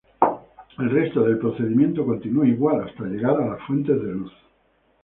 El resto del procedimiento continúa igual, hasta llegar a la fuente de luz.